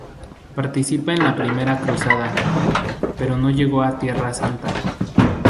Participa en la Primera Cruzada, pero no llegó a Tierra Santa.